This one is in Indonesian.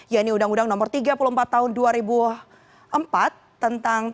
ya ini uudang uudang nomor tiga puluh empat tahun dua ribu empat tentang tni